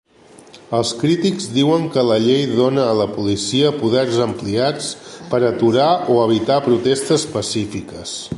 Els crítics diuen que la llei dona a la policia poders ampliats per aturar o evitar protestes pacífiques.